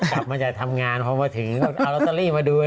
กลับมาจากทำงานพอมาถึงก็เอาลอตเตอรี่มาด้วย